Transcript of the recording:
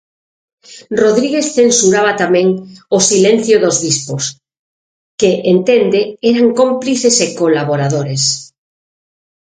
Rodríguez censuraba tamén "o silencio dos bispos" que, entende, "eran cómplices e colaboradores".